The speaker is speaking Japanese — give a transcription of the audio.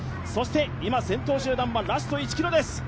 今、先頭集団はラスト１ｋｍです。